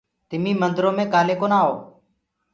تمي مندرو مي ڪآلي ڪونآ آئو؟